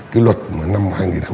cái luật mà năm hai nghìn một mươi ba